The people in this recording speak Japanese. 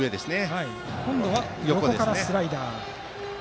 今度は横からスライダー。